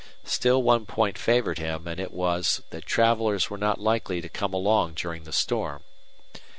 Still one point favored him, and it was that travelers were not likely to come along during the storm.